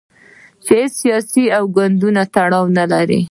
چې هیڅ سیاسي او ګوندي تړاو نه لري.